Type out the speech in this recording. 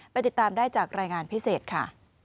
ติดตามได้จากรายงานพิเศษค่ะ